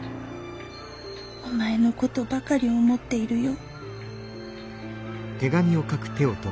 お前のことばかり思っているよ」。